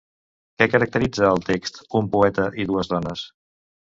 Què caracteritza el text Un poeta i dues dones?